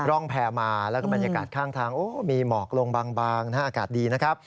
ร่องแพรมาแล้วก็บรรยากาศข้างทางมีหมอกลงบางอากาศดีนะครับ